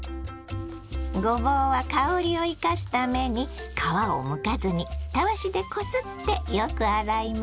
ごぼうは香りを生かすために皮をむかずにたわしでこすってよく洗います。